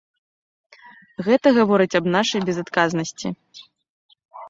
Гэта гаворыць аб нашай безадказнасці.